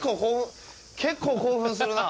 結構、興奮するな。